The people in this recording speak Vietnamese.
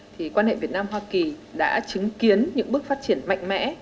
thì quan hệ việt nam hoa kỳ đã chứng kiến những bước phát triển mạnh mẽ